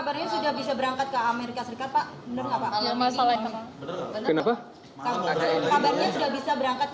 kabarnya sudah bisa berangkat ke amerika serikat